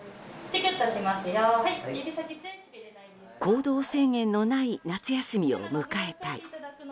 行動制限のない夏休みを迎えたい。